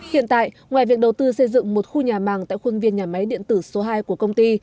hiện tại ngoài việc đầu tư xây dựng một khu nhà màng tại khuôn viên nhà máy điện tử số hai của công ty